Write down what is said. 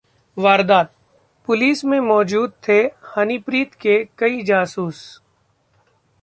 वारदातः police में मौजूद थे हनीप्रीत के कई जासूस